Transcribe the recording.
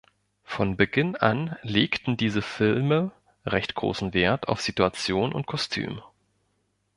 Von Beginn an legten diese Filme recht großen Wert auf Situation und Kostüm.